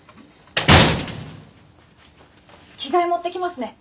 着替え持ってきますね。